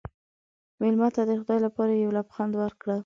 مېلمه ته د خدای لپاره یو لبخند ورکړه.